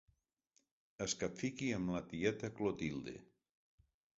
Es capfiqui amb la tieta Clotilde.